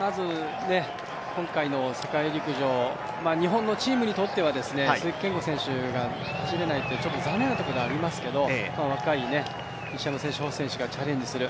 今回の世界陸上、日本のチームにとっては鈴木健吾選手が走れないことは残念なことではありますけど若い西山選手星選手がチャレンジする。